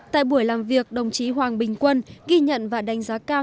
tại buổi làm việc đồng chí hoàng bình quân ghi nhận và đánh giá cao